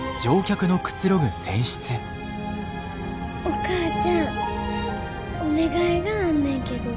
お母ちゃんお願いがあんねんけど。